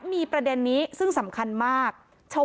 ไม่ใช่ไม่ใช่ไม่ใช่